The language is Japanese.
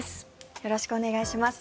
よろしくお願いします。